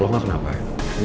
lo gak kenapa ya